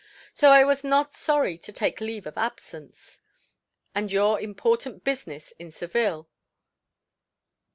So I was not sorry to take leave of absence." "And your important business in Seville.